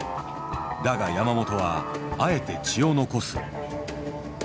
だが山本はあえて血を残す。